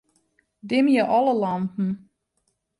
Dimje alle lampen.